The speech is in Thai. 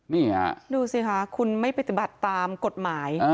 นี่ค่ะดูสิคะคุณไม่ปฏิบัติตามกฎหมาย